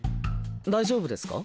大丈夫ですか？